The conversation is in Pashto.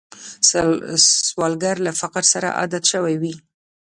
سوالګر له فقر سره عادت شوی وي